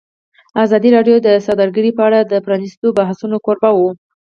ازادي راډیو د سوداګري په اړه د پرانیستو بحثونو کوربه وه.